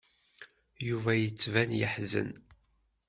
Yuba yettban yeḥzen.